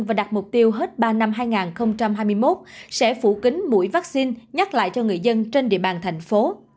và đặt mục tiêu hết ba năm hai nghìn hai mươi một sẽ phủ kính mũi vaccine nhắc lại cho người dân trên địa bàn thành phố